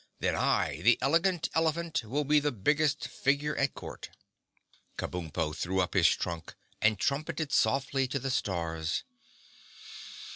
Then I, the Elegant Elephant, will be the biggest figure at Court." Kabumpo threw up his trunk and trumpeted softly to the stars.